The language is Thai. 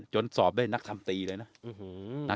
จนสอบด้วยนักคำตีเลยนะ